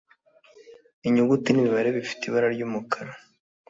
Inyuguti n’imibare bifite ibara ry’umukara